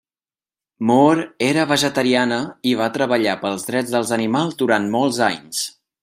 Moore era vegetariana i va treballar pels drets dels animals durant molts anys.